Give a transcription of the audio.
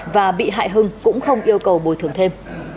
và bị hại hưng cũng không yêu cầu bồi thường thêm